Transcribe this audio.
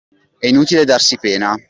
È inutile darsi pena.